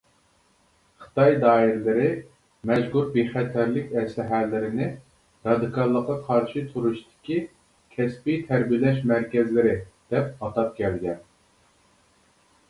خىتاي دائىرىلىرى مەزكۇر «بىخەتەرلىك» ئەسلىھەلىرىنى «رادىكاللىققا قارشى تۇرۇشتىكى كەسپىي تەربىيەلەش مەركەزلىرى» دەپ ئاتاپ كەلگەن.